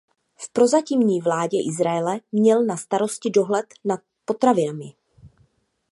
V prozatímní vládě Izraele měl na starosti dohled na potravinami.